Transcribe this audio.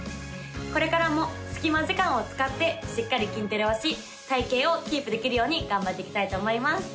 これからも隙間時間を使ってしっかり筋トレをし体形をキープできるように頑張っていきたいと思います